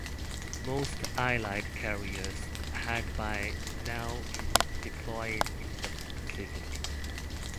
Most Allied carriers had by now been deployed in the Pacific.